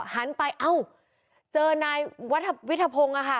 หันไปเอ้าเจอนายวิทยาพงศ์อะค่ะ